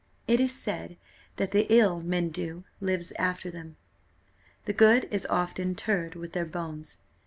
It is said, that the ill men do, lives after them the good is oft interred with their bones.